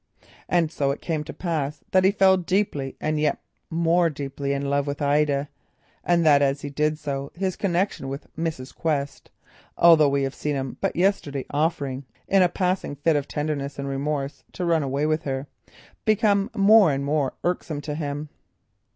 And so it came to pass that he fell deeply and yet more deeply in love with Ida, and that as he did so his connection with Mrs. Quest (although we have seen him but yesterday offering in a passing fit of tenderness and remorse to run away with her) became more and more irksome to him.